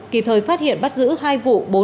kịp thời phát hiện bắt giữ hai vụ